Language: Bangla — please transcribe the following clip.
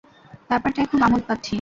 ব্যাপারটায় খুব আমোদ পাচ্ছি।